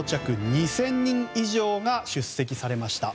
２０００人以上が出席されました。